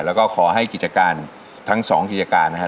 แล้วก็ขอให้กิจการทั้งสองกิจการนะครับ